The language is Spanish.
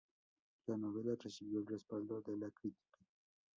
La novela recibió el respaldo de la crítica.